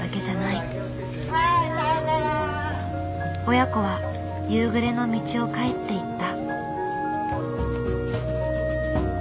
親子は夕暮れの道を帰っていった。